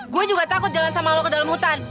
gue juga takut jalan sama lo ke dalam hutan